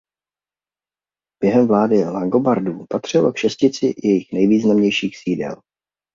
Během vlády Langobardů patřilo k šestici jejich nejvýznamnějších sídel.